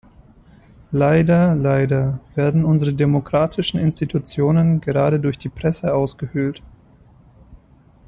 Leider, leider werden unsere demokratischen Institutionen gerade durch die Presse ausgehöhlt.